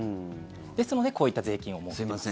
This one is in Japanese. ですのでこういった税金を設けてます。